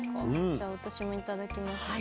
じゃあ私もいただきますね。